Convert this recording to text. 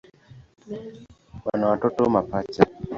Wana watoto mapacha.